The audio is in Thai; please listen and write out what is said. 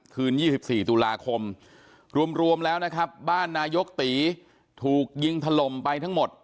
คืนยี่สิบสี่ตุลาคมรวมรวมแล้วนะครับบ้านนายกติถูกยิงถล่มไปทั้งหมด